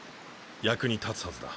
役に立つはずだ。